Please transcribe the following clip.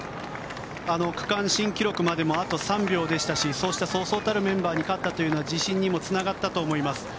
区間新記録までもあと３秒でしたしそうしたそうそうたるメンバーに勝ったというのは自信にもつながったと思います。